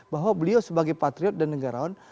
bahwa beliau sebagai patriot dan negarawan